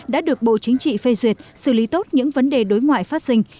đã được bộ chính trị phê duyệt xử lý tốt những vấn đề đối ngoại phát sinh